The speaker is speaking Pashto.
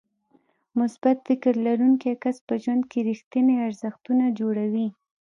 مثبت فکر لرونکی کس په ژوند کې رېښتيني ارزښتونه جوړوي.